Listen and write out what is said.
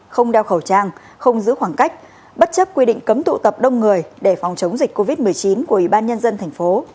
không đeo khẩu trang không giữ khoảng cách bất chấp quy định cấm tụ tập đông người để phòng chống dịch covid một mươi chín của ủy ban nhân dân thành phố